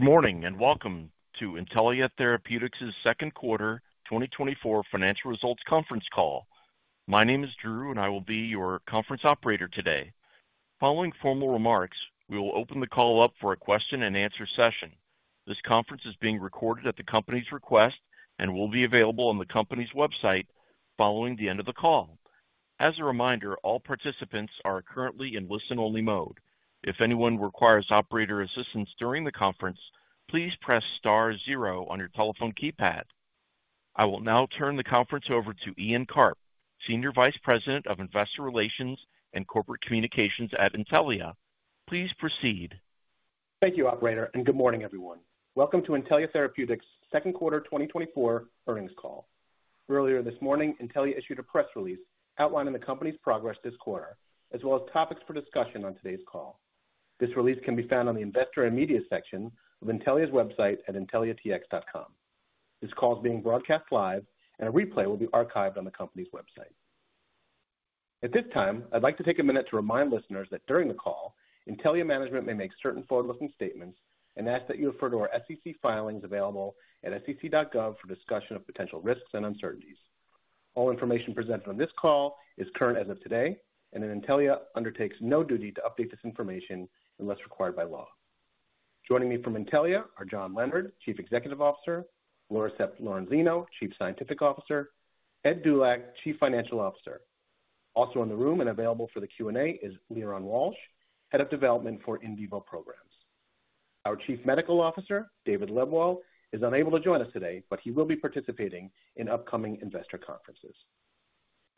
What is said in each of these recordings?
Good morning, and welcome to Intellia Therapeutics' Second Quarter 2024 Financial Results Conference Call. My name is Drew, and I will be your conference operator today. Following formal remarks, we will open the call up for a question-and-answer session. This conference is being recorded at the company's request and will be available on the company's website following the end of the call. As a reminder, all participants are currently in listen-only mode. If anyone requires operator assistance during the conference, please press star zero on your telephone keypad. I will now turn the conference over to Ian Karp, Senior Vice President of Investor Relations and Corporate Communications at Intellia. Please proceed. Thank you, operator, and good morning, everyone. Welcome to Intellia Therapeutics' Second Quarter 2024 Earnings Call. Earlier this morning, Intellia issued a press release outlining the company's progress this quarter, as well as topics for discussion on today's call. This release can be found on the Investor and Media section of Intellia's website at intelliatx.com. This call is being broadcast live and a replay will be archived on the company's website. At this time, I'd like to take a minute to remind listeners that during the call, Intellia management may make certain forward-looking statements and ask that you refer to our SEC filings available at sec.gov for discussion of potential risks and uncertainties. All information presented on this call is current as of today, and Intellia undertakes no duty to update this information unless required by law. Joining me from Intellia are John Leonard, Chief Executive Officer, Laura Sepp-Lorenzino, Chief Scientific Officer, Ed Dulac, Chief Financial Officer. Also in the room and available for the Q&A is Liron Walsh, Head of Development for In Vivo Programs. Our Chief Medical Officer, David Lebwohl, is unable to join us today, but he will be participating in upcoming investor conferences.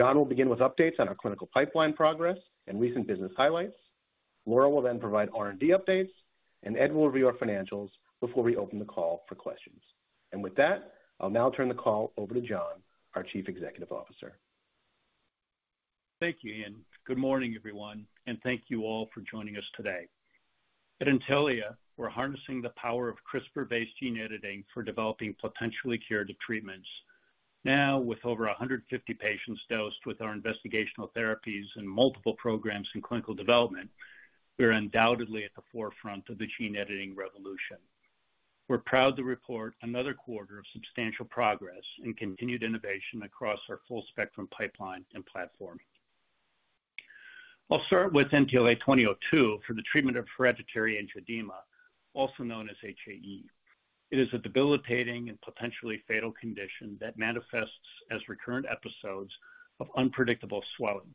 John will begin with updates on our clinical pipeline progress and recent business highlights. Laura will then provide R&D updates, and Ed will review our financials before we open the call for questions. With that, I'll now turn the call over to John, our Chief Executive Officer. Thank you, Ian. Good morning, everyone, and thank you all for joining us today. At Intellia, we're harnessing the power of CRISPR-based gene editing for developing potentially curative treatments. Now, with over 150 patients dosed with our investigational therapies and multiple programs in clinical development, we are undoubtedly at the forefront of the gene editing revolution. We're proud to report another quarter of substantial progress and continued innovation across our full spectrum, pipeline, and platform. I'll start with NTLA-2002 for the treatment of hereditary angioedema, also known as HAE. It is a debilitating and potentially fatal condition that manifests as recurrent episodes of unpredictable swelling.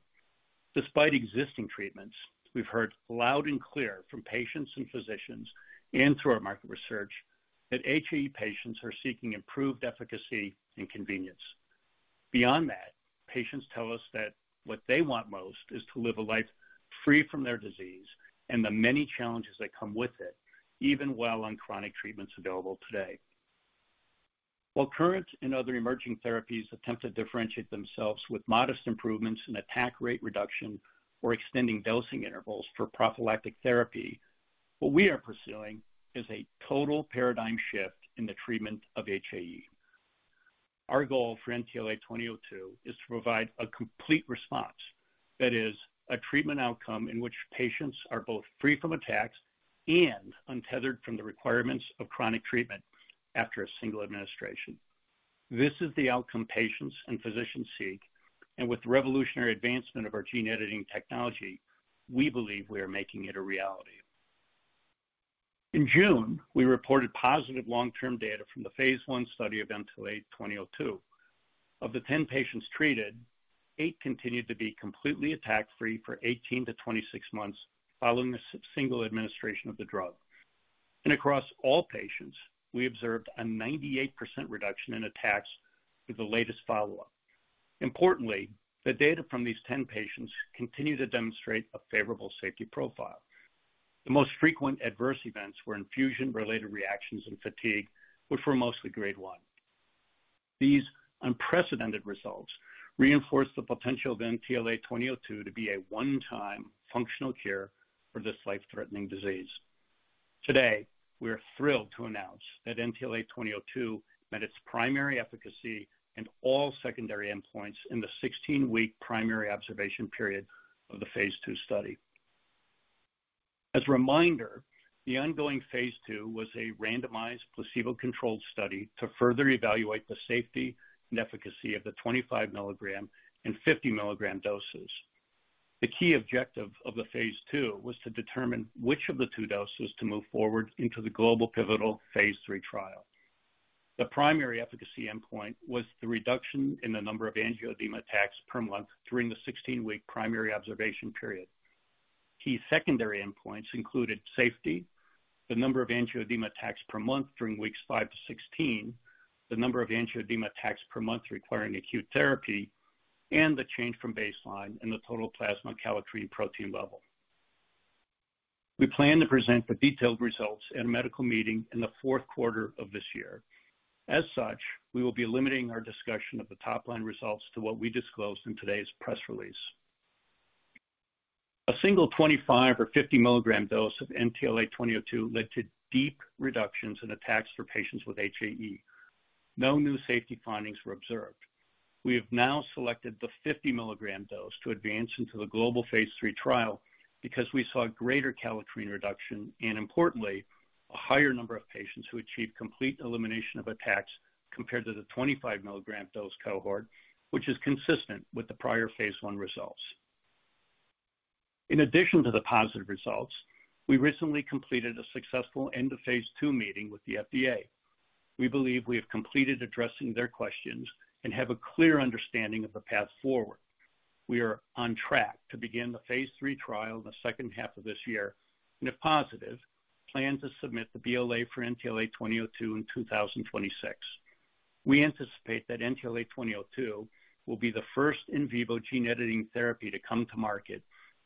Despite existing treatments, we've heard loud and clear from patients and physicians, and through our market research, that HAE patients are seeking improved efficacy and convenience. Beyond that, patients tell us that what they want most is to live a life free from their disease and the many challenges that come with it, even while on chronic treatments available today. While current and other emerging therapies attempt to differentiate themselves with modest improvements in attack rate reduction or extending dosing intervals for prophylactic therapy, what we are pursuing is a total paradigm shift in the treatment of HAE. Our goal for NTLA-2002 is to provide a complete response, that is, a treatment outcome in which patients are both free from attacks and untethered from the requirements of chronic treatment after a single administration. This is the outcome patients and physicians seek, and with the revolutionary advancement of our gene editing technology, we believe we are making it a reality. In June, we reported positive long-term data from the phase I study of NTLA-2002. Of the 10 patients treated, eight continued to be completely attack-free for 18-26 months following a single administration of the drug. Across all patients, we observed a 98% reduction in attacks through the latest follow-up. Importantly, the data from these 10 patients continue to demonstrate a favorable safety profile. The most frequent adverse events were infusion-related reactions and fatigue, which were mostly grade 1. These unprecedented results reinforce the potential of NTLA-2002 to be a one-time functional cure for this life-threatening disease. Today, we are thrilled to announce that NTLA-2002 met its primary efficacy and all secondary endpoints in the 16-week primary observation period of the phase II study. As a reminder, the ongoing phase II was a randomized, placebo-controlled study to further evaluate the safety and efficacy of the 25 mg and 50 mg doses. The key objective of the phase II was to determine which of the two doses to move forward into the global pivotal phase III trial. The primary efficacy endpoint was the reduction in the number of angioedema attacks per month during the 16-week primary observation period. Key secondary endpoints included safety, the number of angioedema attacks per month during weeks 5-16, the number of angioedema attacks per month requiring acute therapy, and the change from baseline in the total plasma kallikrein protein level. We plan to present the detailed results at a medical meeting in the fourth quarter of this year. As such, we will be limiting our discussion of the top-line results to what we disclosed in today's press release. A single 25 mgor 50 mg dose of NTLA-2002 led to deep reductions in attacks for patients with HAE. No new safety findings were observed. We have now selected the 50 mg dose to advance into the global phase III trial because we saw a greater kallikrein reduction and importantly, a higher number of patients who achieved complete elimination of attacks compared to the 25 mg dose cohort, which is consistent with the prior phase I results. In addition to the positive results, we recently completed a successful end of phase II meeting with the FDA. We believe we have completed addressing their questions and have a clear understanding of the path forward. We are on track to begin the phase III trial in the second half of this year, and if positive, plan to submit the BLA for NTLA-2002 in 2026. We anticipate that NTLA-2002 will be the first in vivo gene editing therapy to come to market,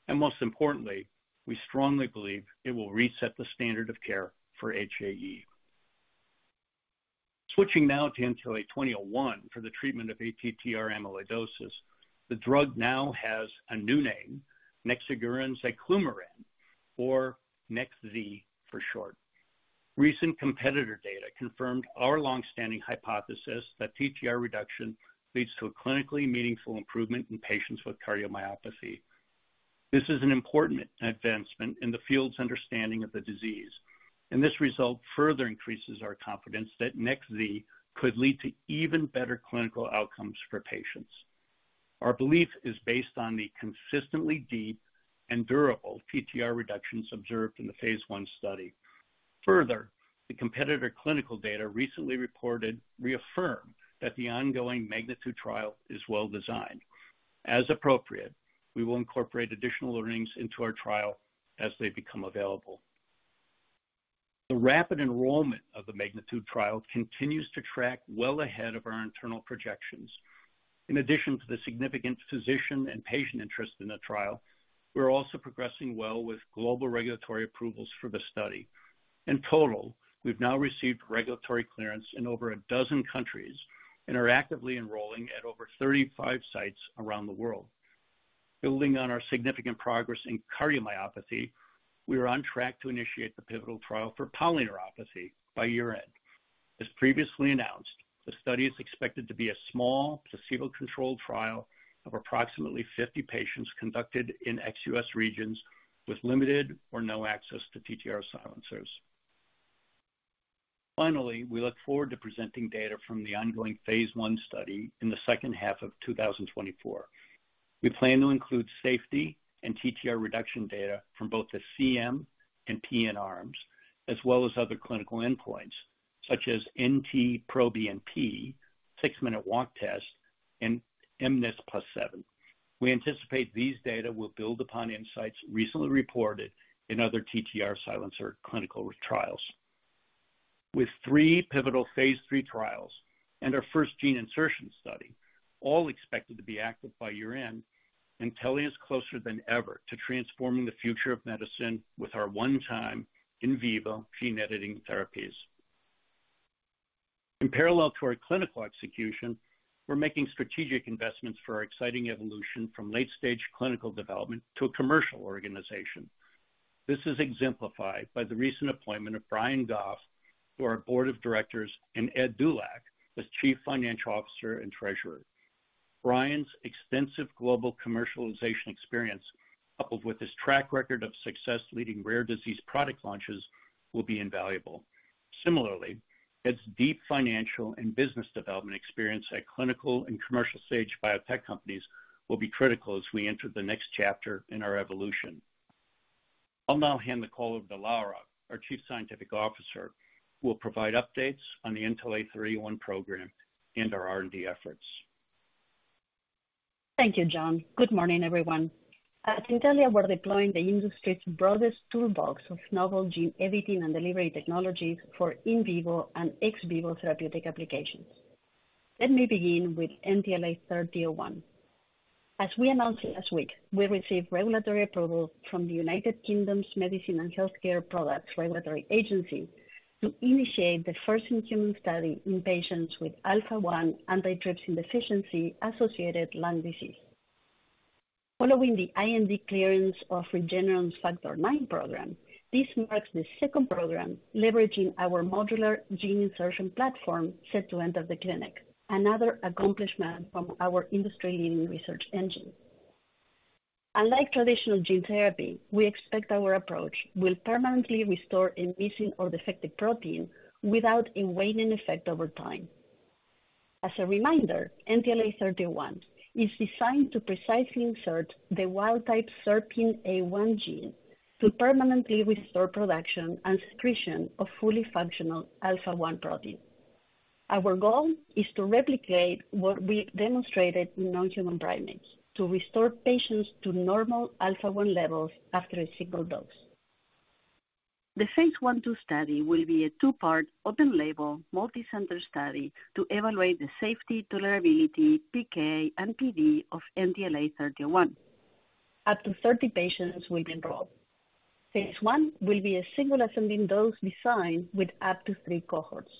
and most importantly, we strongly believe it will reset the standard of care for HAE. Switching now to NTLA-2001 for the treatment of ATTR amyloidosis. The drug now has a new name, nexiguran ziclumeran, or nex-z for short. Recent competitor data confirmed our long-standing hypothesis that TTR reduction leads to a clinically meaningful improvement in patients with cardiomyopathy. This is an important advancement in the field's understanding of the disease, and this result further increases our confidence that nex-z could lead to even better clinical outcomes for patients. Our belief is based on the consistently deep and durable TTR reductions observed in the phase I study. Further, the competitor clinical data recently reported reaffirmed that the ongoing magnitude trial is well designed. As appropriate, we will incorporate additional learnings into our trial as they become available. The rapid enrollment of the magnitude trial continues to track well ahead of our internal projections. In addition to the significant physician and patient interest in the trial, we're also progressing well with global regulatory approvals for the study. In total, we've now received regulatory clearance in over a dozen countries and are actively enrolling at over 35 sites around the world. Building on our significant progress in cardiomyopathy, we are on track to initiate the pivotal trial for polyneuropathy by year-end. As previously announced, the study is expected to be a small, placebo-controlled trial of approximately 50 patients conducted in ex-U.S. regions with limited or no access to TTR silencers. Finally, we look forward to presenting data from the ongoing phase I study in the second half of 2024. We plan to include safety and TTR reduction data from both the CM and PN arms, as well as other clinical endpoints such as NT-proBNP, 6-minute walk test, and mNIS+7. We anticipate these data will build upon insights recently reported in other TTR silencer clinical trials. With three pivotal phase III trials and our first gene insertion study, all expected to be active by year-end, Intellia is closer than ever to transforming the future of medicine with our 1-time in vivo gene editing therapies. In parallel to our clinical execution, we're making strategic investments for our exciting evolution from late-stage clinical development to a commercial organization. This is exemplified by the recent appointment of Brian Goff to our board of directors and Ed Dulac as Chief Financial Officer and Treasurer. Brian's extensive global commercialization experience, coupled with his track record of success leading rare disease product launches, will be invaluable. Similarly, Ed's deep financial and business development experience at clinical and commercial stage biotech companies will be critical as we enter the next chapter in our evolution. I'll now hand the call over to Laura, our Chief Scientific Officer, who will provide updates on the NTLA-3001 program and our R&D efforts. Thank you, John. Good morning, everyone. At Intellia, we're deploying the industry's broadest toolbox of novel gene editing and delivery technologies for in vivo and ex vivo therapeutic applications. Let me begin with NTLA-3001. As we announced last week, we received regulatory approval from the United Kingdom's Medicine and Healthcare Products Regulatory Agency to initiate the first-in-human study in patients with alpha-1 antitrypsin deficiency associated lung disease. Following the IND clearance of Regeneron's Factor IX program, this marks the second program leveraging our modular gene insertion platform set to enter the clinic, another accomplishment from our industry-leading research engine. Unlike traditional gene therapy, we expect our approach will permanently restore a missing or defective protein without a waning effect over time. As a reminder, NTLA-3001 is designed to precisely insert the wild type SERPINA1 gene to permanently restore production and secretion of fully functional alpha-1 protein. Our goal is to replicate what we demonstrated in non-human primates, to restore patients to normal alpha-1 levels after a single dose. The phase I/II study will be a two-part, open-label, multicenter study to evaluate the safety, tolerability, PK, and PD of NTLA-3001. Up to 30 patients will enroll. Phase I will be a single ascending dose design with up to three cohorts.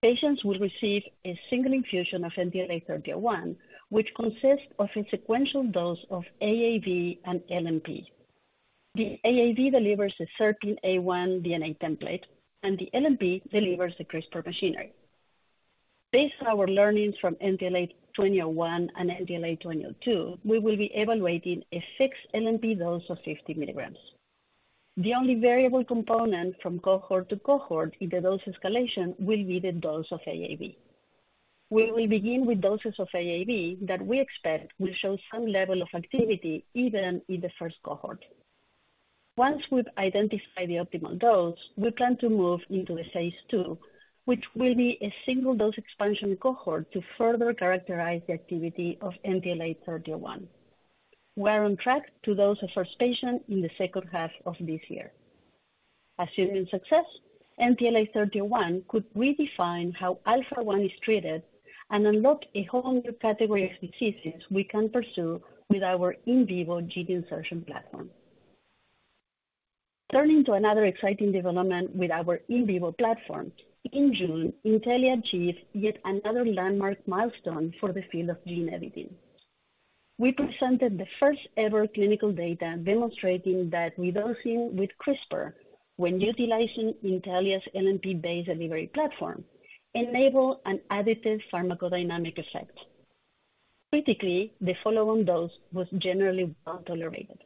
Patients will receive a single infusion of NTLA-3001, which consists of a sequential dose of AAV and LNP. The AAV delivers a certain A1 DNA template, and the LNP delivers the CRISPR machinery. Based on our learnings from NTLA-2001 and NTLA-2002, we will be evaluating a fixed LNP dose of 50 mg. The only variable component from cohort to cohort in the dose escalation will be the dose of AAV. We will begin with doses of AAV that we expect will show some level of activity even in the first cohort. Once we've identified the optimal dose, we plan to move into the phase II, which will be a single dose expansion cohort to further characterize the activity of NTLA-3001. We are on track to dose the first patient in the second half of this year. Assuming success, NTLA-3001 could redefine how alpha-1 is treated and unlock a whole new category of diseases we can pursue with our in vivo gene insertion platform. Turning to another exciting development with our in vivo platform, in June, Intellia achieved yet another landmark milestone for the field of gene editing. We presented the first-ever clinical data demonstrating that redosing with CRISPR when utilizing Intellia's LNP-based delivery platform, enable an additive pharmacodynamic effect. Critically, the follow-on dose was generally well tolerated.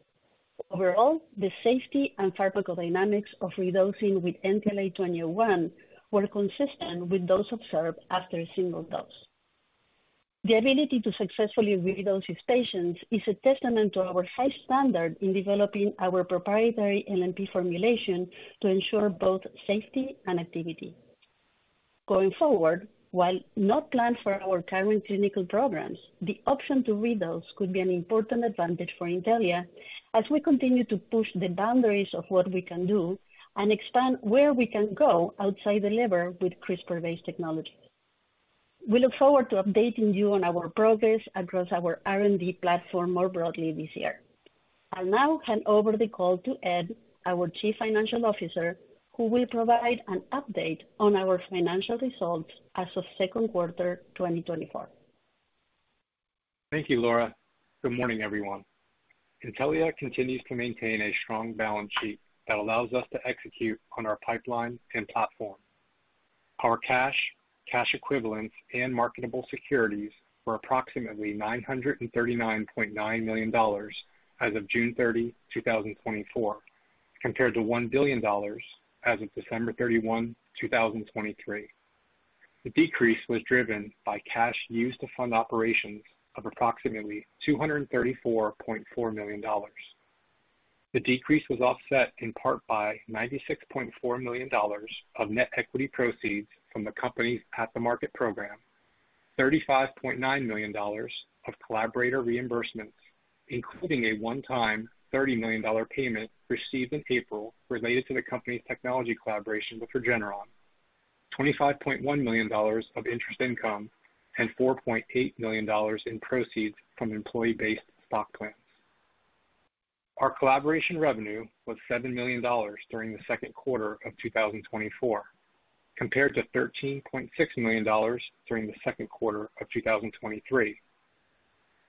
Overall, the safety and pharmacodynamics of redosing with NTLA-2001 were consistent with dose observed after a single dose. The ability to successfully redose these patients is a testament to our high standard in developing our proprietary LNP formulation to ensure both safety and activity. Going forward, while not planned for our current clinical programs, the option to redose could be an important advantage for Intellia as we continue to push the boundaries of what we can do and expand where we can go outside the liver with CRISPR-based technology. We look forward to updating you on our progress across our R&D platform more broadly this year. I'll now hand over the call to Ed, our Chief Financial Officer, who will provide an update on our financial results as of second quarter 2024. Thank you, Laura. Good morning, everyone. Intellia continues to maintain a strong balance sheet that allows us to execute on our pipeline and platform. Our cash, cash equivalents, and marketable securities were approximately $939.9 million as of June 30, 2024, compared to $1 billion as of December 31, 2023. The decrease was driven by cash used to fund operations of approximately $234.4 million. The decrease was offset in part by $96.4 million of net equity proceeds from the company's at-the-market program, $35.9 million of collaborator reimbursements, including a one-time $30 million payment received in April related to the company's technology collaboration with Regeneron, $25.1 million of interest income, and $4.8 million in proceeds from employee-based stock plans. Our collaboration revenue was $7 million during the second quarter of 2024, compared to $13.6 million during the second quarter of 2023.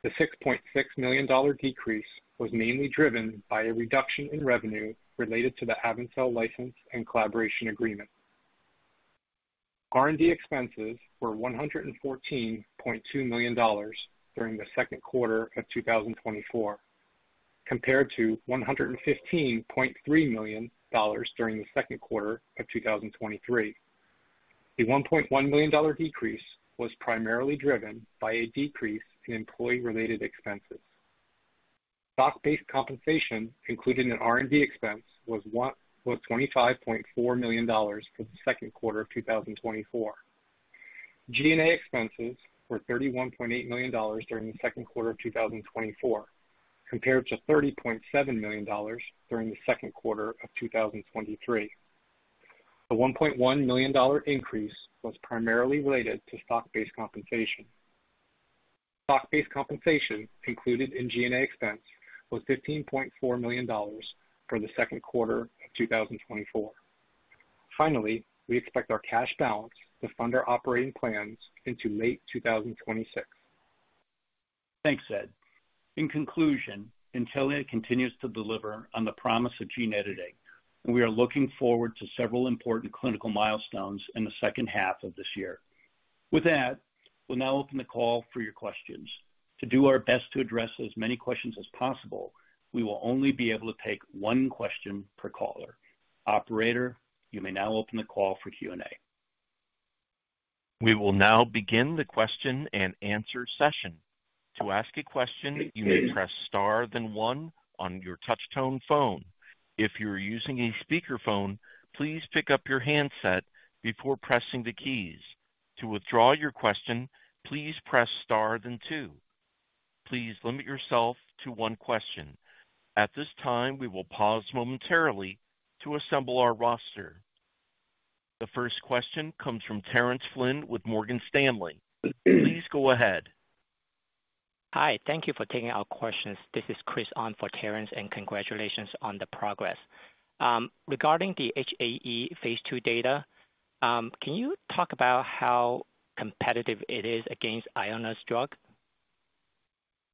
The $6.6 million decrease was mainly driven by a reduction in revenue related to the AvenCell license and collaboration agreement. R&D expenses were $114.2 million during the second quarter of 2024, compared to $115.3 million during the second quarter of 2023. The $1.1 million decrease was primarily driven by a decrease in employee-related expenses. Stock-based compensation, including an R&D expense, was $25.4 million for the second quarter of 2024. G&A expenses were $31.8 million during the second quarter of 2024, compared to $30.7 million during the second quarter of 2023. The $1.1 million increase was primarily related to stock-based compensation. Stock-based compensation included in G&A expense was $15.4 million for the second quarter of 2024. Finally, we expect our cash balance to fund our operating plans into late 2026. Thanks, Ed. In conclusion, Intellia continues to deliver on the promise of gene editing, and we are looking forward to several important clinical milestones in the second half of this year. With that, we'll now open the call for your questions. To do our best to address as many questions as possible, we will only be able to take one question per caller. Operator, you may now open the call for Q&A. We will now begin the question-and-answer session. To ask a question, you may press star then one on your touchtone phone. If you are using a speakerphone, please pick up your handset before pressing the keys. To withdraw your question, please press star then two. Please limit yourself to one question. At this time, we will pause momentarily to assemble our roster. The first question comes from Terence Flynn with Morgan Stanley. Please go ahead. Hi, thank you for taking our questions. This is Chris on for Terence, and congratulations on the progress. Regarding the HAE phase II data, can you talk about how competitive it is against Ionis drug?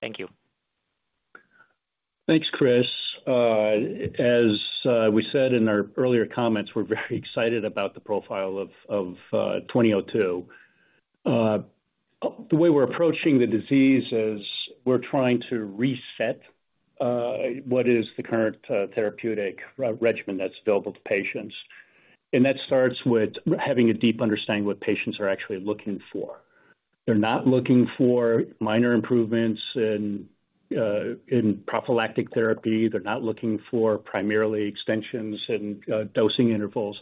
Thank you. Thanks, Chris. As we said in our earlier comments, we're very excited about the profile of NTLA-2002. The way we're approaching the disease is we're trying to reset what is the current therapeutic regimen that's available to patients. And that starts with having a deep understanding what patients are actually looking for. They're not looking for minor improvements in prophylactic therapy. They're not looking for primarily extensions in dosing intervals.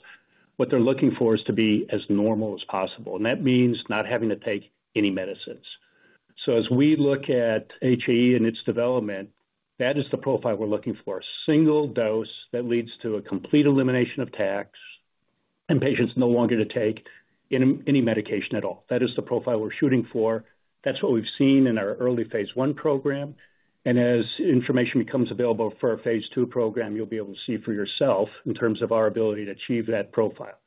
What they're looking for is to be as normal as possible, and that means not having to take any medicines. So as we look at HAE and its development, that is the profile we're looking for, a single dose that leads to a complete elimination of attacks, and patients no longer to take any medication at all. That is the profile we're shooting for. That's what we've seen in our early phase I program, and as information becomes available for our phase II program, you'll be able to see for yourself in terms of our ability to achieve that profile.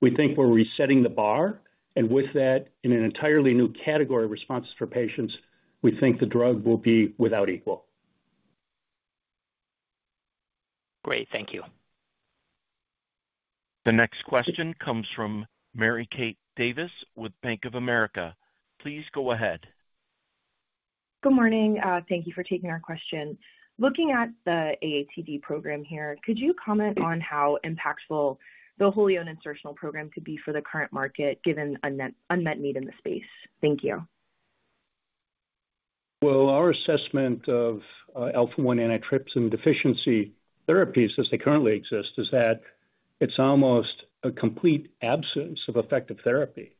We think we're resetting the bar, and with that, in an entirely new category of responses for patients, we think the drug will be without equal. Great. Thank you. The next question comes from Mary Kate Davis with Bank of America. Please go ahead. Good morning. Thank you for taking our question. Looking at the AATD program here, could you comment on how impactful the whole insertional program could be for the current market, given unmet need in the space? Thank you. Well, our assessment of alpha-1 antitrypsin deficiency therapies, as they currently exist, is that it's almost a complete absence of effective therapy.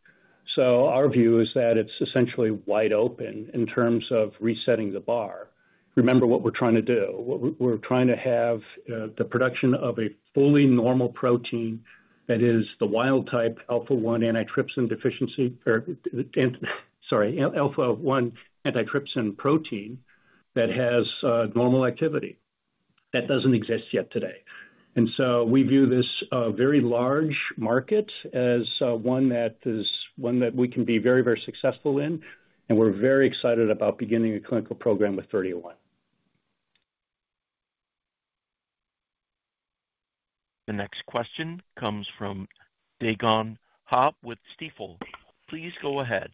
So our view is that it's essentially wide open in terms of resetting the bar. Remember what we're trying to do. We're trying to have the production of a fully normal protein that is the wild type alpha-1 antitrypsin deficiency, or sorry, alpha-1 antitrypsin protein that has normal activity. That doesn't exist yet today. And so we view this very large market as one that, one that we can be very, very successful in, and we're very excited about beginning a clinical program with NTLA-3001. The next question comes from Dae Gon Ha with Stifel. Please go ahead.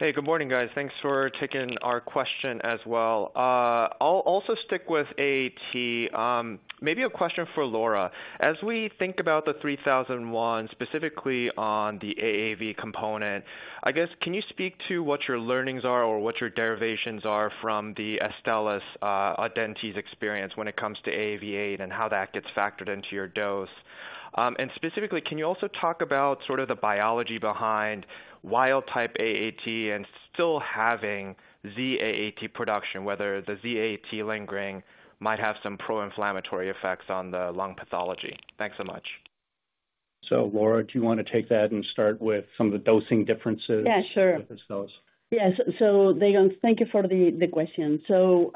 Hey, good morning, guys. Thanks for taking our question as well. I'll also stick with AAT. Maybe a question for Laura. As we think about the 3001, specifically on the AAV component, I guess, can you speak to what your learnings are or what your derivations are from the Astellas, Audentes' experience when it comes to AAV8 and how that gets factored into your dose? And specifically, can you also talk about sort of the biology behind wild type AAT and still having ZAAT production, whether the ZAAT lingering might have some pro-inflammatory effects on the lung pathology? Thanks so much. So, Laura, do you want to take that and start with some of the dosing differences with this dose? Yeah, sure Yes. So Dae Gon, thank you for the question. So,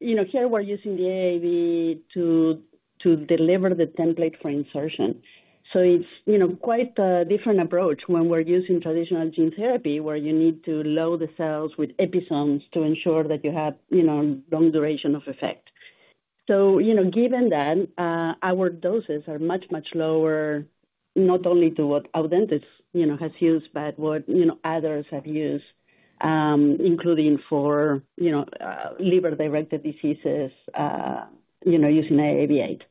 you know, here we're using the AAV to deliver the template for insertion. So it's, you know, quite a different approach when we're using traditional gene therapy, where you need to load the cells with episomes to ensure that you have, you know, long duration of effect. So, you know, given that, our doses are much, much lower, not only than what Audentes, you know, has used, but what, you know, others have used, including for, you know, liver-directed diseases, you know, using AAV8.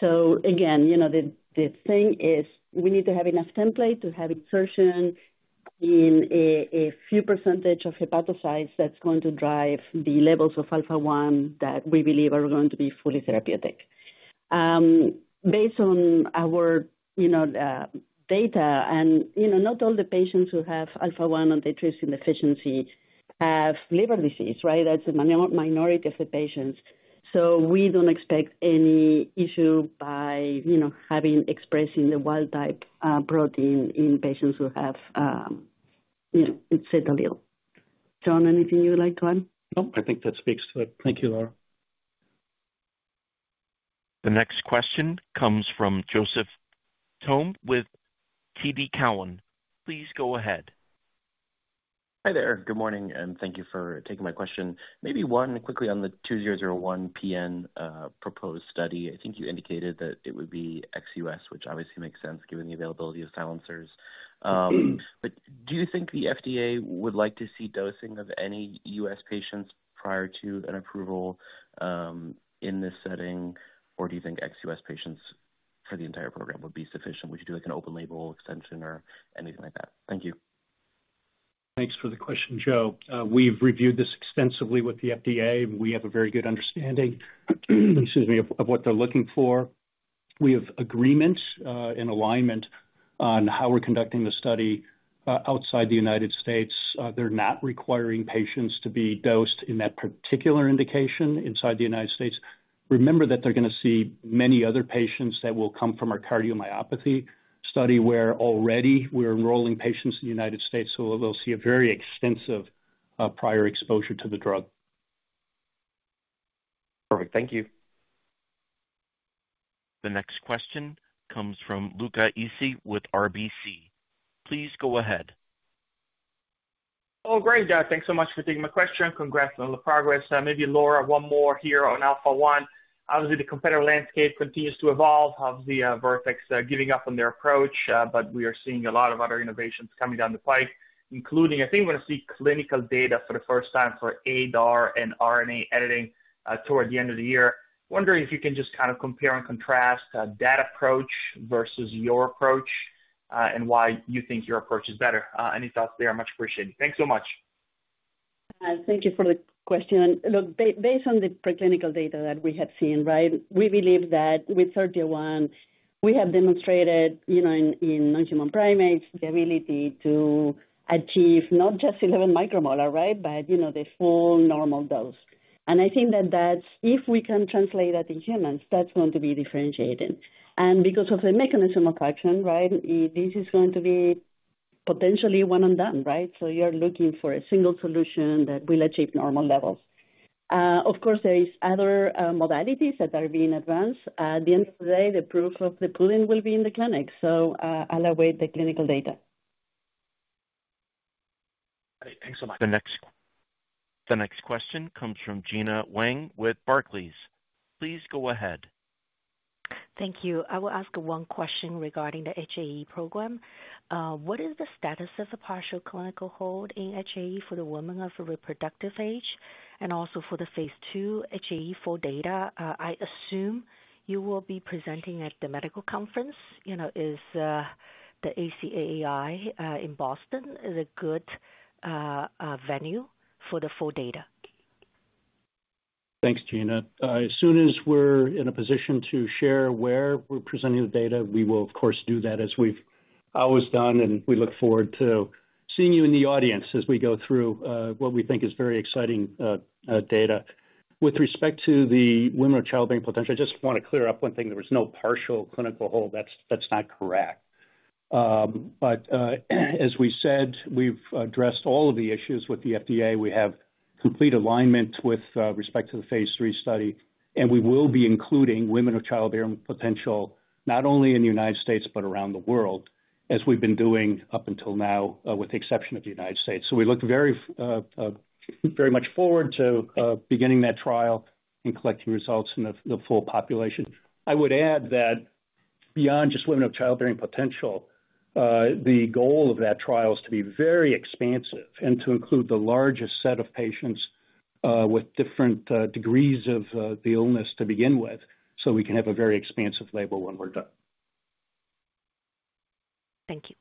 So again, you know, the thing is we need to have enough template to have insertion in a few percentage of hepatocytes that's going to drive the levels of alpha-1 that we believe are going to be fully therapeutic. Based on our, you know, data and, you know, not all the patients who have alpha-1 antitrypsin deficiency have liver disease, right? That's a minority of the patients. So we don't expect any issue by, you know, having expressing the wild type protein in patients who have, you know, the Z allele. John, anything you would like to add? No, I think that speaks to it. Thank you, Laura. The next question comes from Joseph Thome with TD Cowen. Please go ahead. Hi there. Good morning, and thank you for taking my question. Maybe one quickly on the 2001 PN proposed study. I think you indicated that it would be ex-U.S., which obviously makes sense given the availability of silencers. But do you think the FDA would like to see dosing of any U.S. patients prior to an approval in this setting? Or do you think ex-U.S. patients for the entire program would be sufficient? Would you do, like, an open label extension or anything like that? Thank you. Thanks for the question, Joe. We've reviewed this extensively with the FDA. We have a very good understanding, excuse me, of what they're looking for. We have agreement and alignment on how we're conducting the study outside the United States. They're not requiring patients to be dosed in that particular indication inside the United States. Remember that they're gonna see many other patients that will come from our cardiomyopathy study, where already we're enrolling patients in the United States, so they'll see a very extensive prior exposure to the drug. Perfect. Thank you. The next question comes from Luca Issi with RBC. Please go ahead. Oh, great. Thanks so much for taking my question. Congrats on the progress. Maybe, Laura, one more here on alpha-1. Obviously, the competitive landscape continues to evolve. Obviously, Vertex giving up on their approach, but we are seeing a lot of other innovations coming down the pipe, including, I think we're gonna see clinical data for the first time for ADAR and RNA editing toward the end of the year. Wondering if you can just kind of compare and contrast that approach versus your approach and why you think your approach is better. Any thoughts there are much appreciated. Thanks so much. Thank you for the question. Look, based on the preclinical data that we have seen, right? We believe that with SERPINA1, we have demonstrated, you know, in non-human primates, the ability to Intellia Therapeutics, not just 11 micromolar, right? But, you know, the full normal dose. And I think that that's, if we can translate that to humans, that's going to be differentiated. And because of the mechanism of action, right, this is going to be potentially one and done, right? So you're looking for a single solution that will achieve normal levels. Of course, there is other modalities that are being advanced. At the end of the day, the proof of the pudding will be in the clinic, so I'll await the clinical data. Thanks so much. The next question comes from Gena Wang with Barclays. Please go ahead. Thank you. I will ask one question regarding the HAE program. What is the status of the partial clinical hold in HAE for the women of reproductive age and also for the phase II HAE full data? I assume you will be presenting at the medical conference, you know, is the ACAAI in Boston a good venue for the full data? Thanks, Gena. As soon as we're in a position to share where we're presenting the data, we will, of course, do that as we've always done, and we look forward to seeing you in the audience as we go through what we think is very exciting data. With respect to the women of childbearing potential, I just want to clear up one thing. There was no partial clinical hold. That's, that's not correct. As we said, we've addressed all of the issues with the FDA. We have complete alignment with respect to the phase III study, and we will be including women of childbearing potential, not only in the United States, but around the world, as we've been doing up until now, with the exception of the United States. So we look very, very much forward to beginning that trial and collecting results in the full population. I would add that beyond just women of childbearing potential, the goal of that trial is to be very expansive and to include the largest set of patients with different degrees of the illness to begin with, so we can have a very expansive label when we're done. Thank you.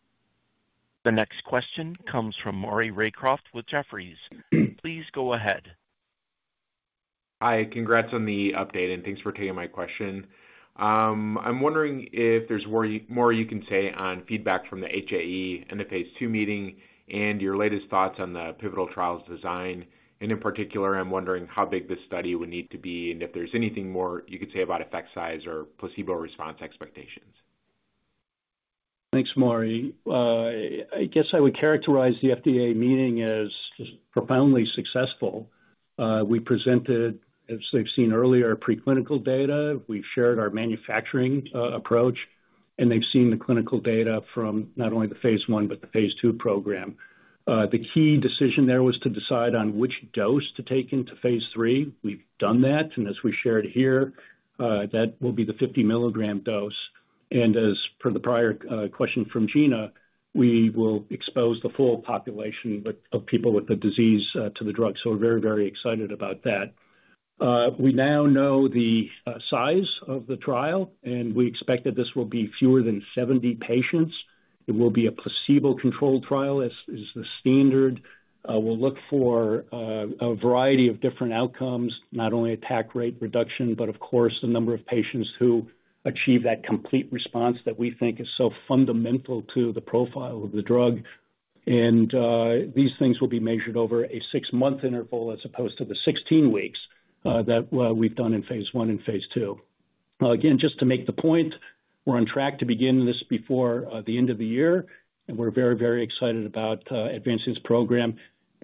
The next question comes from Maury Raycroft with Jefferies. Please go ahead. Hi, congrats on the update, and thanks for taking my question. I'm wondering if there's more you can say on feedback from the HAE and the phase II meeting and your latest thoughts on the pivotal trials design. And in particular, I'm wondering how big this study would need to be and if there's anything more you could say about effect size or placebo response expectations. Thanks, Maury. I guess I would characterize the FDA meeting as profoundly successful. We presented, as they've seen earlier, preclinical data. We've shared our manufacturing approach, and they've seen the clinical data from not only the phase I but the phase II program. The key decision there was to decide on which dose to take into phase III. We've done that, and as we shared here, that will be the 50 mg dose, and as per the prior question from Gena, we will expose the full population with, of people with the disease, to the drug. So we're very, very excited about that. We now know the size of the trial, and we expect that this will be fewer than 70 patients. It will be a placebo-controlled trial, as is the standard. We'll look for a variety of different outcomes, not only attack rate reduction, but of course, the number of patients who achieve that complete response that we think is so fundamental to the profile of the drug. And these things will be measured over a six-month interval as opposed to the 16 weeks that we've done in phase I and phase II. Again, just to make the point, we're on track to begin this before the end of the year, and we're very, very excited about advancing this program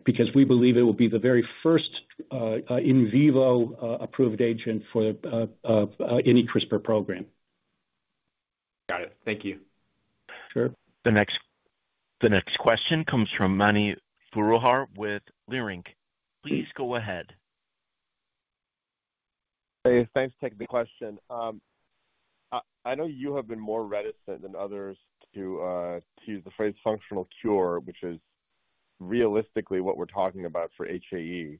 because we believe it will be the very first in vivo approved agent for any CRISPR program. Got it. Thank you. Sure. The next question comes from Mani Foroohar with Leerink. Please go ahead. Hey, thanks for taking the question. I know you have been more reticent than others to use the phrase functional cure, which is realistically what we're talking about for HAE, if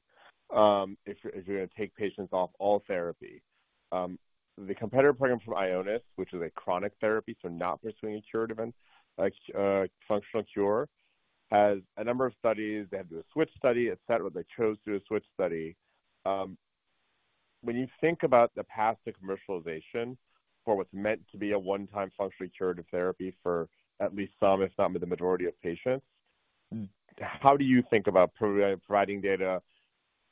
you're gonna take patients off all therapy. The competitor program from Ionis, which is a chronic therapy, so not pursuing a curative and functional cure, has a number of studies. They had to do a switch study, et cetera. They chose to do a switch study. When you think about the path to commercialization for what's meant to be a one-time functionally curative therapy for at least some, if not the majority of patients, how do you think about providing data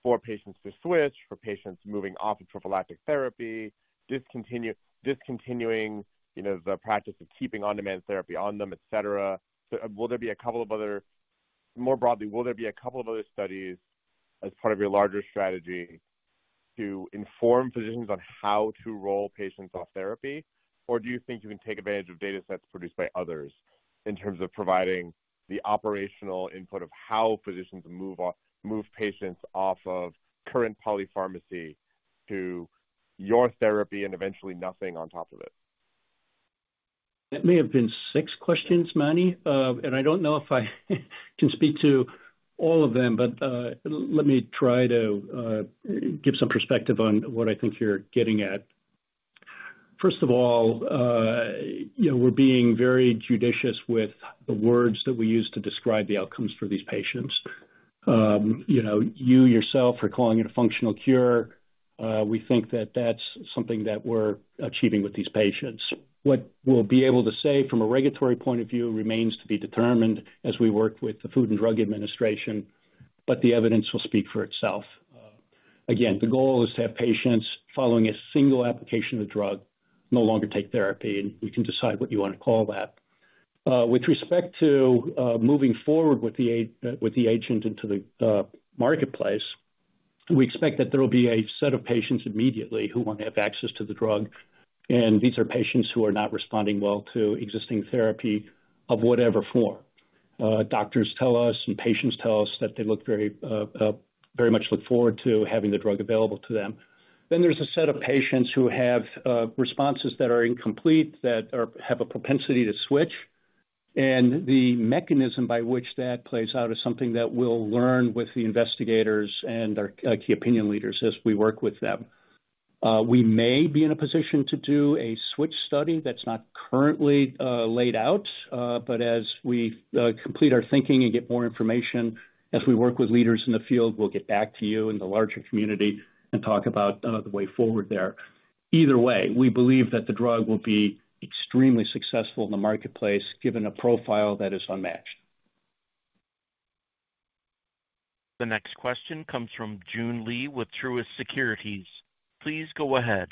for patients to switch, for patients moving off of prophylactic therapy, discontinuing, you know, the practice of keeping on-demand therapy on them, et cetera? Will there be a couple of other more broadly, will there be a couple of other studies as part of your larger strategy to inform physicians on how to roll patients off therapy? Or do you think you can take advantage of data sets produced by others in terms of providing the operational input of how physicians move off, move patients off of current polypharmacy to your therapy and eventually nothing on top of it? That may have been six questions, Mani, and I don't know if I can speak to all of them, but let me try to give some perspective on what I think you're getting at. First of all, you know, we're being very judicious with the words that we use to describe the outcomes for these patients. You know, you yourself are calling it a functional cure. We think that that's something that we're achieving with these patients. What we'll be able to say from a regulatory point of view remains to be determined as we work with the Food and Drug Administration, but the evidence will speak for itself. Again, the goal is to have patients following a single application of drug no longer take therapy, and you can decide what you want to call that. With respect to moving forward with the agent into the marketplace, we expect that there will be a set of patients immediately who want to have access to the drug, and these are patients who are not responding well to existing therapy of whatever form. Doctors tell us and patients tell us that they look very much forward to having the drug available to them. Then there's a set of patients who have responses that are incomplete, have a propensity to switch, and the mechanism by which that plays out is something that we'll learn with the investigators and our key opinion leaders as we work with them. We may be in a position to do a switch study that's not currently laid out, but as we complete our thinking and get more information, as we work with leaders in the field, we'll get back to you and the larger community and talk about the way forward there. Either way, we believe that the drug will be extremely successful in the marketplace, given a profile that is unmatched. The next question comes from Joon Lee with Truist Securities. Please go ahead.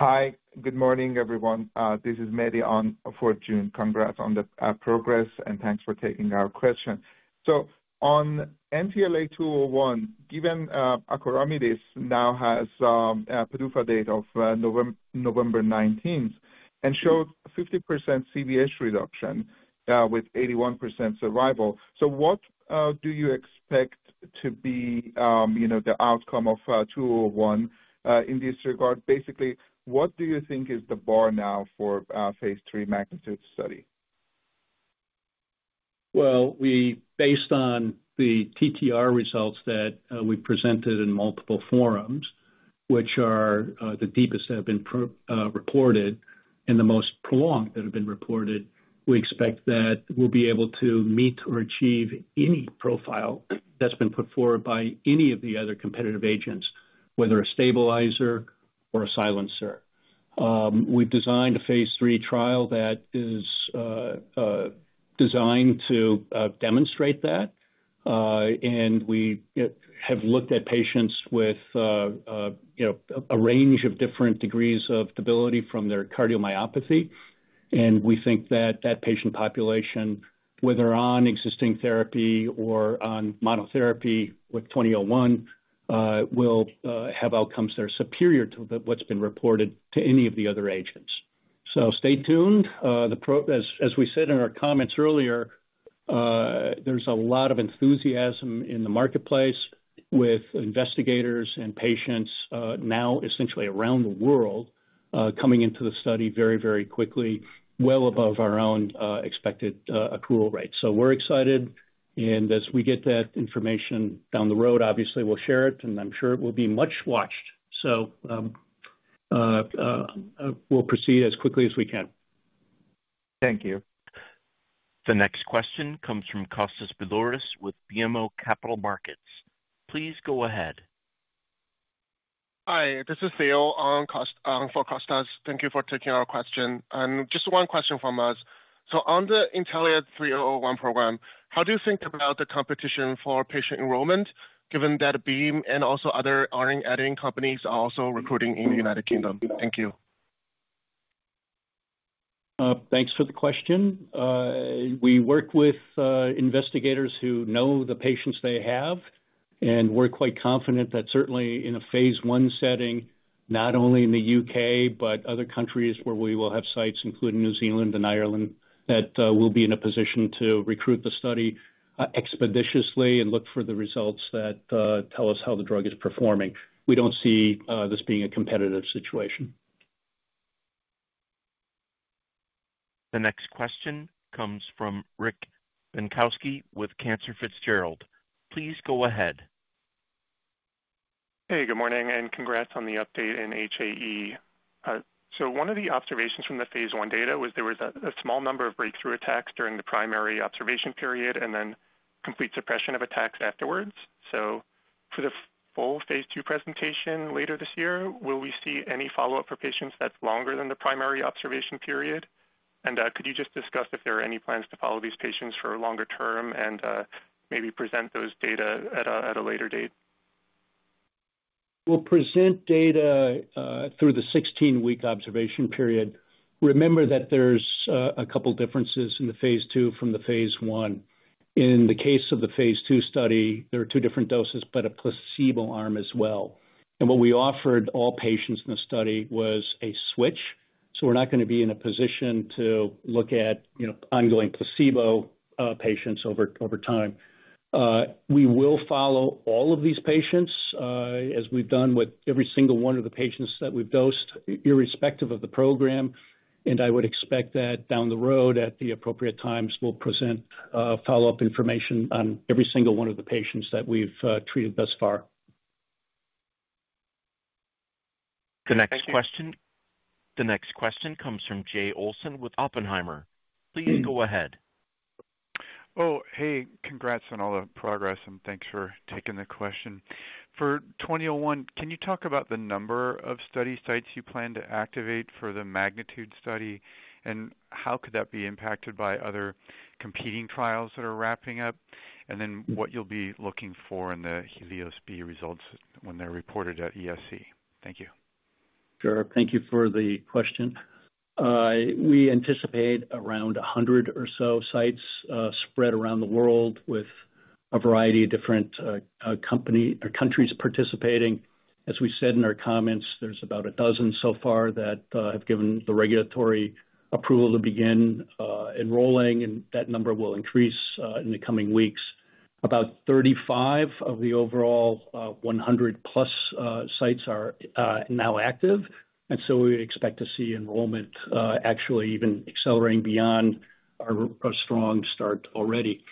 Hi. Good morning, everyone. This is Mehdi on for June. Congrats on the progress, and thanks for taking our question. So on NTLA-2001, given acoramidis now has a PDUFA date of November 19th and shows 50% CVH reduction with 81% survival. So what do you expect to be, you know, the outcome of 2001 in this regard? Basically, what do you think is the bar now for phase III magnitude study? Well, we, based on the TTR results that we presented in multiple forums, which are the deepest that have been reported and the most prolonged that have been reported, we expect that we'll be able to meet or achieve any profile that's been put forward by any of the other competitive agents, whether a stabilizer or a silencer. We've designed a phase III trial that is designed to demonstrate that, and we have looked at patients with, you know, a range of different degrees of stability from their cardiomyopathy. And we think that that patient population, whether on existing therapy or on monotherapy with 2001, will have outcomes that are superior to what's been reported to any of the other agents. So stay tuned. The pro. As we said in our comments earlier, there's a lot of enthusiasm in the marketplace with investigators and patients now essentially around the world coming into the study very, very quickly, well above our own expected accrual rate. So we're excited, and as we get that information down the road, obviously we'll share it, and I'm sure it will be much watched. So we'll proceed as quickly as we can. Thank you. The next question comes from Kostas Biliouris with BMO Capital Markets. Please go ahead. Hi, this is Theo for Kostas. Thank you for taking our question. Just one question from us: So on the Intellia 3001 program, how do you think about the competition for patient enrollment, given that Beam and also other RNA editing companies are also recruiting in the United Kingdom? Thank you. Thanks for the question. We work with investigators who know the patients they have, and we're quite confident that certainly in a phase one setting, not only in the U.K., but other countries where we will have sites, including New Zealand and Ireland, that we'll be in a position to recruit the study expeditiously and look for the results that tell us how the drug is performing. We don't see this being a competitive situation. The next question comes from Rick Bienkowski with Cantor Fitzgerald. Please go ahead. Hey, good morning, and congrats on the update in HAE. So one of the observations from the phase I data was there was a small number of breakthrough attacks during the primary observation period and then complete suppression of attacks afterwards. So for the full phase II presentation later this year, will we see any follow-up for patients that's longer than the primary observation period? And could you just discuss if there are any plans to follow these patients for longer term and maybe present those data at a later date? We'll present data through the 16-week observation period. Remember that there's a couple differences in the phase II from the phase I. In the case of the phase II study, there are two different doses, but a placebo arm as well. And what we offered all patients in the study was a switch, so we're not gonna be in a position to look at, you know, ongoing placebo patients over time. We will follow all of these patients as we've done with every single one of the patients that we've dosed, irrespective of the program, and I would expect that down the road, at the appropriate times, we'll present follow-up information on every single one of the patients that we've treated thus far. The next question comes from Jay Olson with Oppenheimer. Please go ahead. Oh, hey, congrats on all the progress, and thanks for taking the question. For 2001, can you talk about the number of study sites you plan to activate for the magnitude study? And how could that be impacted by other competing trials that are wrapping up? And then what you'll be looking for in the Helios-B results when they're reported at ESC. Thank you. Sure. Thank you for the question. We anticipate around 100 or so sites, spread around the world with a variety of different company or countries participating. As we said in our comments, there's about 12 so far that have given the regulatory approval to begin enrolling, and that number will increase in the coming weeks. About 35 of the overall 100+ sites are now active, and so we expect to see enrollment actually even accelerating beyond our strong start already.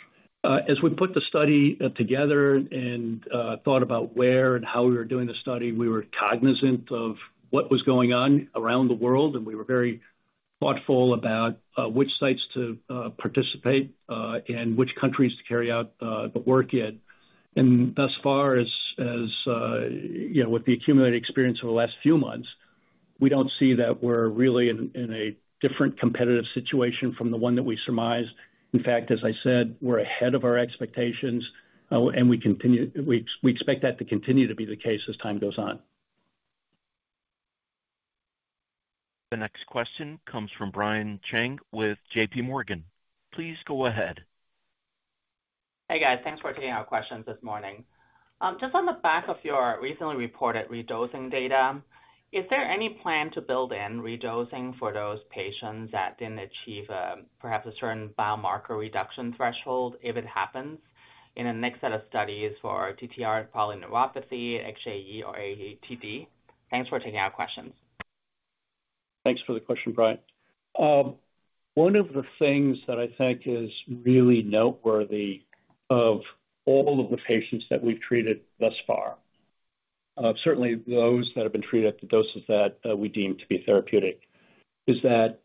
As we put the study together and thought about where and how we were doing the study, we were cognizant of what was going on around the world, and we were very thoughtful about which sites to participate and which countries to carry out the work in. And thus far, you know, with the accumulated experience over the last few months, we don't see that we're really in a different competitive situation from the one that we surmised. In fact, as I said, we're ahead of our expectations, and we continue. We expect that to continue to be the case as time goes on. The next question comes from Brian Cheng with JPMorgan. Please go ahead. Hey, guys. Thanks for taking our questions this morning. Just on the back of your recently reported redosing data, is there any plan to build in redosing for those patients that didn't achieve, perhaps a certain biomarker reduction threshold, if it happens, in the next set of studies for TTR polyneuropathy, HAE, or AATD? Thanks for taking our questions. Thanks for the question, Brian. One of the things that I think is really noteworthy of all of the patients that we've treated thus far, certainly those that have been treated at the doses that we deem to be therapeutic, is that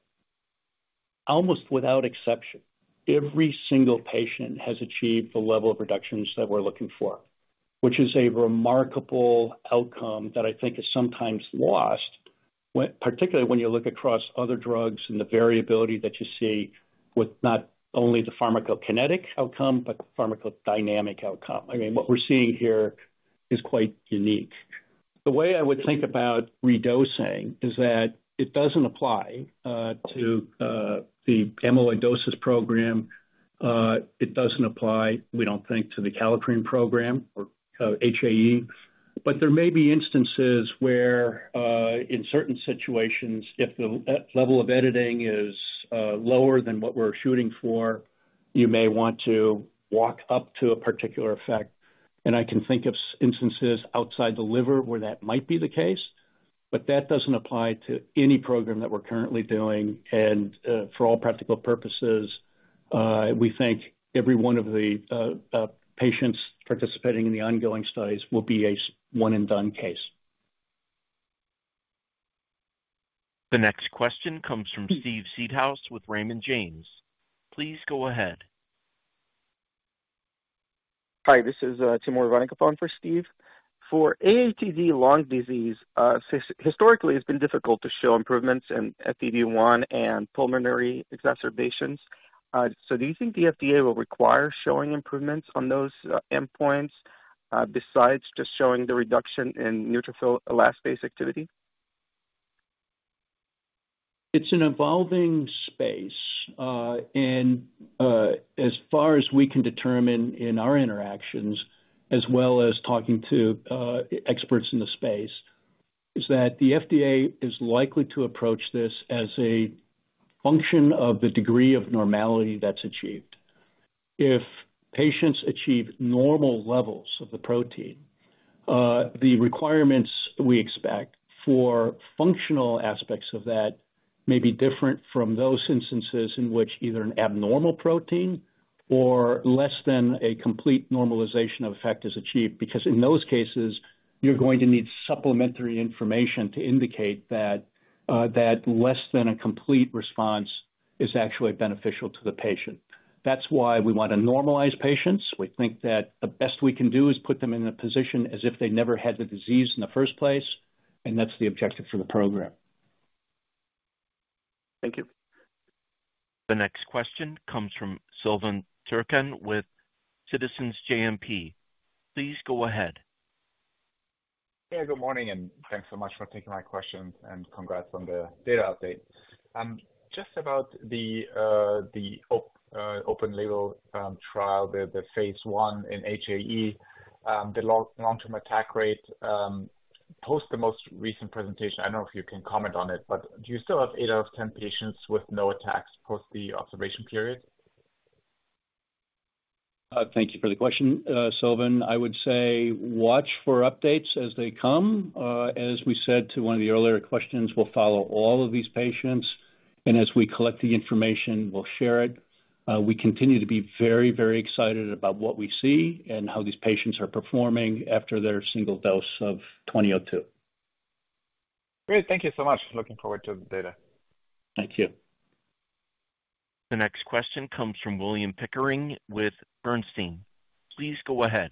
almost without exception, every single patient has achieved the level of reductions that we're looking for. Which is a remarkable outcome that I think is sometimes lost, when, particularly when you look across other drugs and the variability that you see with not only the pharmacokinetic outcome, but pharmacodynamic outcome. I mean, what we're seeing here is quite unique. The way I would think about redosing is that it doesn't apply to the amyloidosis program. It doesn't apply, we don't think, to the alpha-1 program or HAE. But there may be instances where, in certain situations, if the level of editing is lower than what we're shooting for, you may want to walk up to a particular effect. And I can think of instances outside the liver where that might be the case, but that doesn't apply to any program that we're currently doing. And, for all practical purposes, we think every one of the patients participating in the ongoing studies will be a one-and-done case. The next question comes from Steve Seedhouse with Raymond James. Please go ahead. Hi, this is Timur Ivannikov for Steve. For AATD lung disease, historically, it's been difficult to show improvements in FEV1 and pulmonary exacerbations. So do you think the FDA will require showing improvements on those endpoints, besides just showing the reduction in neutrophil elastase activity? It's an evolving space, and, as far as we can determine in our interactions, as well as talking to, experts in the space, is that the FDA is likely to approach this as a function of the degree of normality that's achieved. If patients achieve normal levels of the protein, the requirements we expect for functional aspects of that may be different from those instances in which either an abnormal protein or less than a complete normalization of effect is achieved, because in those cases, you're going to need supplementary information to indicate that, that less than a complete response is actually beneficial to the patient. That's why we want to normalize patients. We think that the best we can do is put them in a position as if they never had the disease in the first place, and that's the objective for the program. Thank you. The next question comes from Silvan Türkcan with Citizens JMP. Please go ahead. Hey, good morning, and thanks so much for taking my question, and congrats on the data update. Just about the open label trial, the phase I in HAE, the long-term attack rate post the most recent presentation. I don't know if you can comment on it, but do you still have eight out of 10 patients with no attacks post the observation period? Thank you for the question, Silvan. I would say watch for updates as they come. As we said to one of the earlier questions, we'll follow all of these patients, and as we collect the information, we'll share it. We continue to be very, very excited about what we see and how these patients are performing after their single dose of 2002. Great. Thank you so much. Looking forward to the data. Thank you. The next question comes from William Pickering with Bernstein. Please go ahead.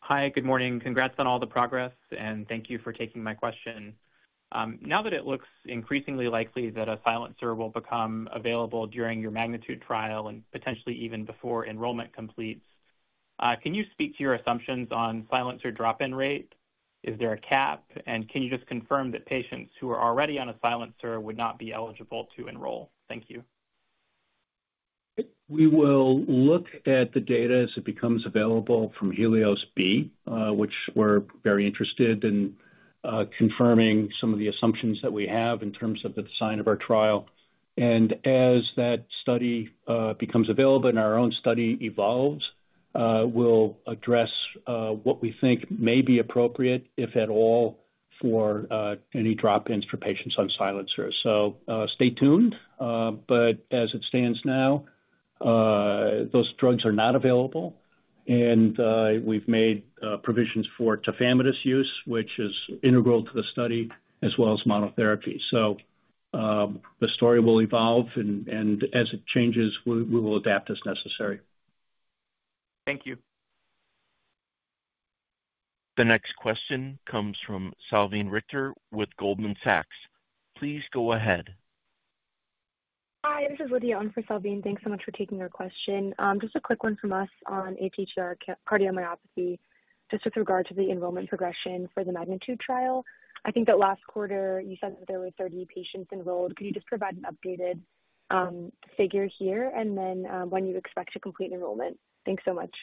Hi, good morning. Congrats on all the progress, and thank you for taking my question. Now that it looks increasingly likely that a silencer will become available during your magnitude trial and potentially even before enrollment completes, can you speak to your assumptions on silencer drop-in rate? Is there a cap, and can you just confirm that patients who are already on a silencer would not be eligible to enroll? Thank you. We will look at the data as it becomes available from Helios-B, which we're very interested in confirming some of the assumptions that we have in terms of the design of our trial. And as that study becomes available and our own study evolves, we'll address what we think may be appropriate, if at all, for any drop-ins for patients on silencers. So, stay tuned. But as it stands now, those drugs are not available, and we've made provisions for tafamidis use, which is integral to the study as well as monotherapy. So, the story will evolve, and as it changes, we will adapt as necessary. Thank you. The next question comes from Salveen Richter with Goldman Sachs. Please go ahead. Hi, this is Lydia on for Salveen. Thanks so much for taking our question. Just a quick one from us on ATTR cardiomyopathy, just with regard to the enrollment progression for the MAGNITUDE trial. I think that last quarter you said that there were 30 patients enrolled. Could you just provide an updated figure here, and then when you expect to complete enrollment? Thanks so much.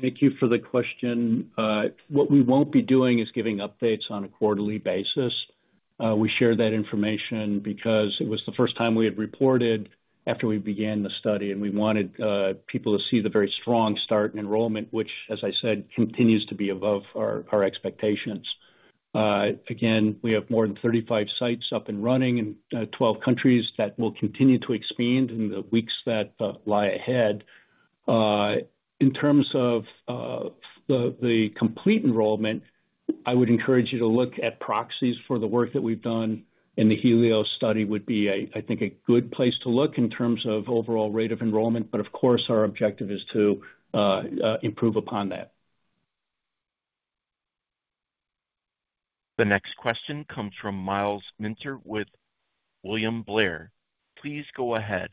Thank you for the question. What we won't be doing is giving updates on a quarterly basis. We shared that information because it was the first time we had reported after we began the study, and we wanted people to see the very strong start in enrollment, which, as I said, continues to be above our expectations. Again, we have more than 35 sites up and running in 12 countries. That will continue to expand in the weeks that lie ahead. In terms of the complete enrollment, I would encourage you to look at proxies for the work that we've done, and the Helios study would be, I think, a good place to look in terms of overall rate of enrollment, but of course, our objective is to improve upon that. The next question comes from Myles Minter with William Blair. Please go ahead.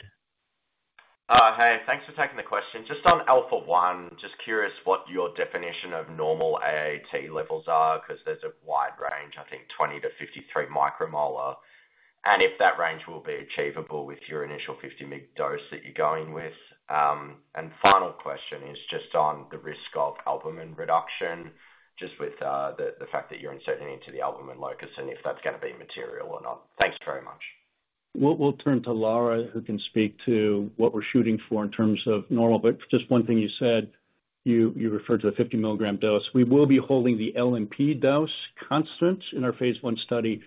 Hey, thanks for taking the question. Just on Alpha-1, just curious what your definition of normal AAT levels are, 'cause there's a wide range, I think 20-53 micromolar, and if that range will be achievable with your initial 50 mg dose that you're going with. And final question is just on the risk of albumin reduction, just with the fact that you're inserting into the albumin locus and if that's gonna be material or not. Thanks very much. We'll turn to Laura, who can speak to what we're shooting for in terms of normal. But just one thing you said, you referred to the 50 mg dose. We will be holding the LNP dose constant in our phase I study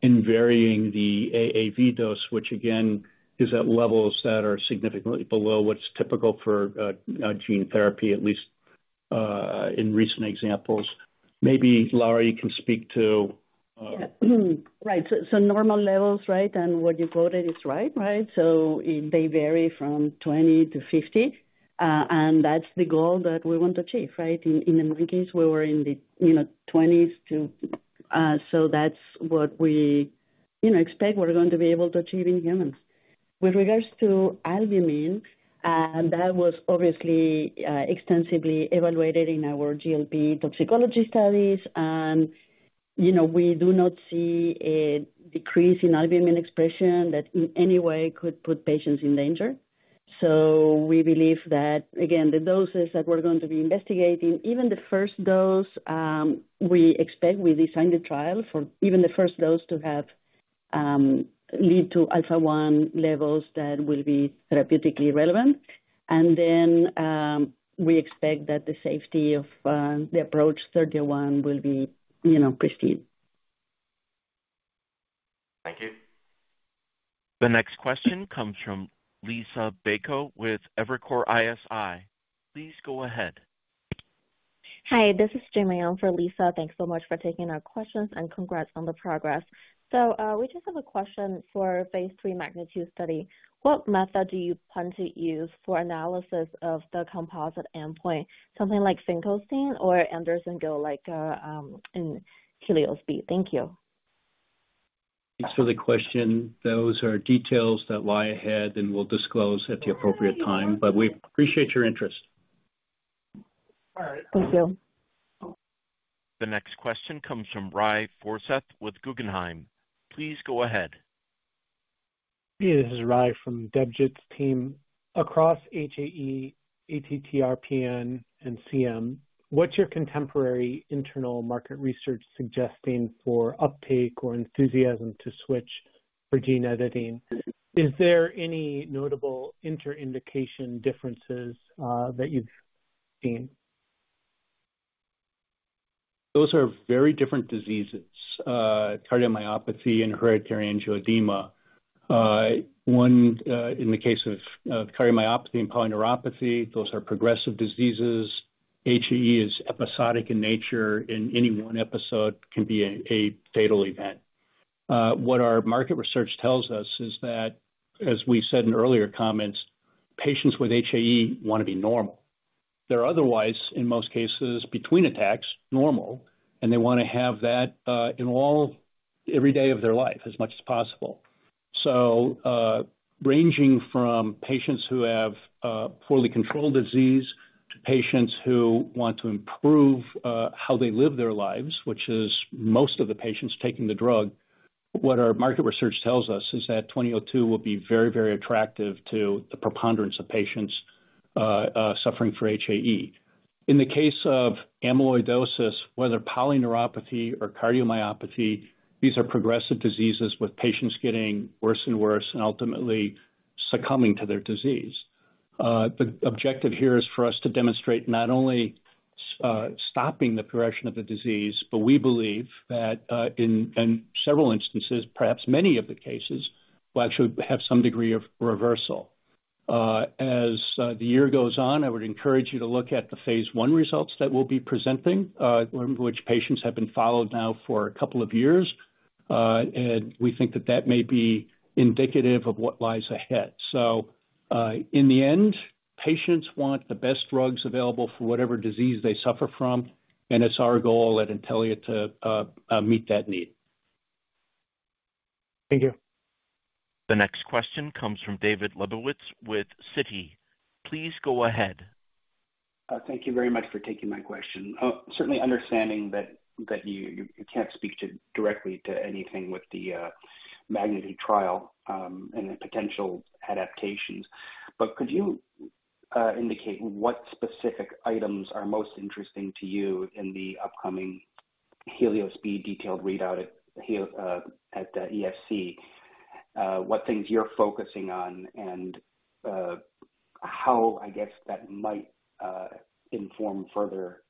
in varying the AAV dose, which again, is at levels that are significantly below what's typical for gene therapy, at least in recent examples. Maybe Laura, you can speak to? Yeah. Right. So, so normal levels, right, and what you quoted is right. Right? So they vary from 20-50, and that's the goal that we want to achieve, right? In the monkeys, we were in the, you know, 20s to, so that's what we, you know, expect we're going to be able to achieve in humans. With regards to albumin, that was obviously extensively evaluated in our GLP toxicology studies, and, you know, we do not see a decrease in albumin expression that in any way could put patients in danger. So we believe that, again, the doses that we're going to be investigating, even the first dose, we expect we designed the trial for even the first dose to have lead to alpha one levels that will be therapeutically relevant. Then, we expect that the safety of the approach 31 will be, you know, pristine. Thank you. The next question comes from Liisa Bayko with Evercore ISI. Please go ahead. Hi, this is June for Liisa. Thanks so much for taking our questions, and congrats on the progress. So, we just have a question for phase III MAGNITUDE study. What method do you plan to use for analysis of the composite endpoint? Something like Finkelstein or Anderson Gill, like, in Helios-B. Thank you. Thanks for the question. Those are details that lie ahead, and we'll disclose at the appropriate time, but we appreciate your interest. All right, thank you. The next question comes from Ry Forseth with Guggenheim. Please go ahead. Hey, this is Rai from the Debjit team. Across HAE, ATTR-PN, and CM, what's your contemporary internal market research suggesting for uptake or enthusiasm to switch for gene editing? Is there any notable interindication differences that you've seen? Those are very different diseases, cardiomyopathy and hereditary angioedema. In the case of cardiomyopathy and polyneuropathy, those are progressive diseases. HAE is episodic in nature, and any one episode can be a fatal event. What our market research tells us is that, as we said in earlier comments, patients with HAE want to be normal. They're otherwise, in most cases, between attacks, normal, and they want to have that in all every day of their life, as much as possible. So, ranging from patients who have poorly controlled disease to patients who want to improve how they live their lives, which is most of the patients taking the drug, what our market research tells us is that 2002 will be very, very attractive to the preponderance of patients suffering for HAE. In the case of amyloidosis, whether polyneuropathy or cardiomyopathy, these are progressive diseases with patients getting worse and worse and ultimately succumbing to their disease. The objective here is for us to demonstrate not only stopping the progression of the disease, but we believe that in several instances, perhaps many of the cases will actually have some degree of reversal. As the year goes on, I would encourage you to look at the phase one results that we'll be presenting, in which patients have been followed now for a couple of years. And we think that that may be indicative of what lies ahead. So, in the end, patients want the best drugs available for whatever disease they suffer from, and it's our goal at Intellia to meet that need. Thank you. The next question comes from David Lebowitz with Citi. Please go ahead. Thank you very much for taking my question. Certainly understanding that you can't speak directly to anything with the MAGNITUDE trial and the potential adaptations. But could you indicate what specific items are most interesting to you in the upcoming Helios-B detailed readout at the ESC? What things you're focusing on and how, I guess, that might inform further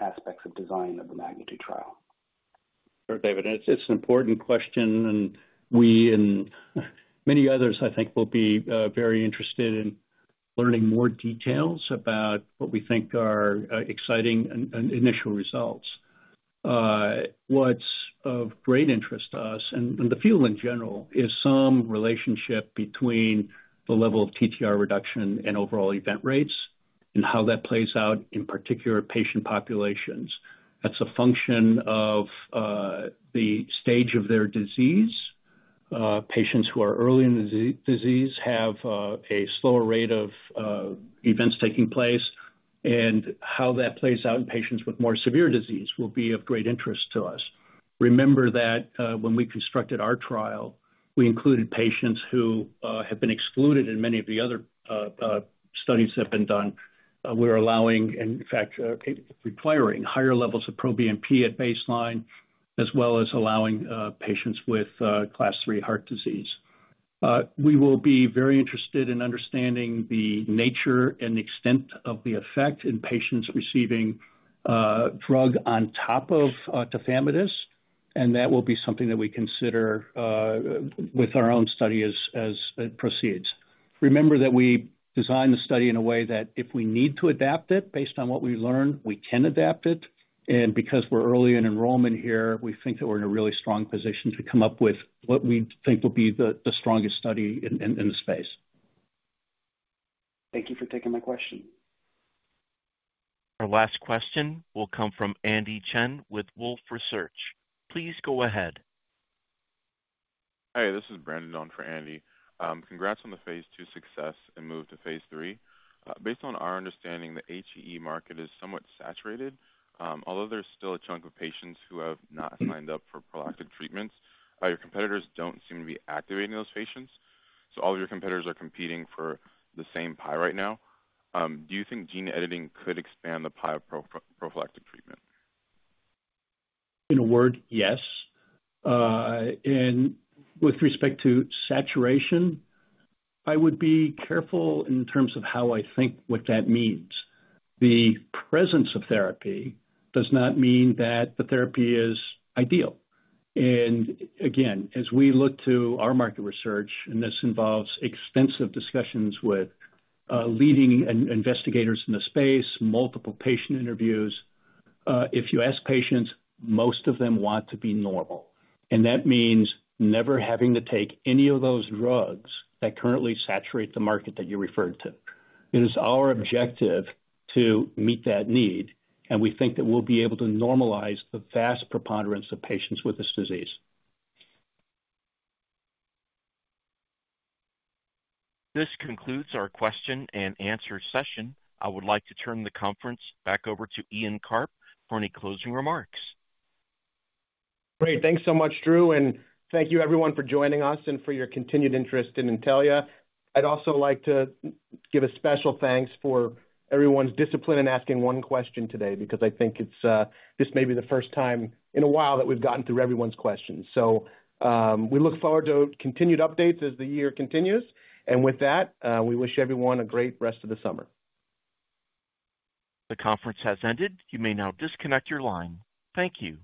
aspects of design of the magnitude trial? Sure, David, it's an important question, and we and many others, I think, will be very interested in learning more details about what we think are exciting and initial results. What's of great interest to us and the field in general is some relationship between the level of TTR reduction and overall event rates and how that plays out in particular patient populations. That's a function of the stage of their disease. Patients who are early in the disease have a slower rate of events taking place, and how that plays out in patients with more severe disease will be of great interest to us. Remember that when we constructed our trial, we included patients who have been excluded in many of the other studies that have been done. We're allowing, in fact, requiring higher levels of proBNP at baseline, as well as allowing patients with Class III heart disease. We will be very interested in understanding the nature and the extent of the effect in patients receiving drug on top of tafamidis, and that will be something that we consider with our own study as it proceeds. Remember that we designed the study in a way that if we need to adapt it based on what we learn, we can adapt it, and because we're early in enrollment here, we think that we're in a really strong position to come up with what we think will be the strongest study in the space. Thank you for taking my question. Our last question will come from Andy Chen with Wolfe Research. Please go ahead. Hi, this is Brandon on for Andy. Congrats on the phase II success and move to phase III. Based on our understanding, the HAE market is somewhat saturated. Although there's still a chunk of patients who have not signed up for prophylactic treatments, your competitors don't seem to be activating those patients. So all of your competitors are competing for the same pie right now. Do you think gene editing could expand the pie of prophylactic treatment? In a word, yes. And with respect to saturation, I would be careful in terms of how I think what that means. The presence of therapy does not mean that the therapy is ideal. And again, as we look to our market research, and this involves extensive discussions with leading investigators in the space, multiple patient interviews, if you ask patients, most of them want to be normal, and that means never having to take any of those drugs that currently saturate the market that you referred to. It is our objective to meet that need, and we think that we'll be able to normalize the vast preponderance of patients with this disease. This concludes our question and answer session. I would like to turn the conference back over to Ian Karp for any closing remarks. Great. Thanks so much, Drew, and thank you everyone for joining us and for your continued interest in Intellia. I'd also like to give a special thanks for everyone's discipline in asking one question today, because I think it's, this may be the first time in a while that we've gotten through everyone's questions. So, we look forward to continued updates as the year continues. And with that, we wish everyone a great rest of the summer. The conference has ended. You may now disconnect your line. Thank you.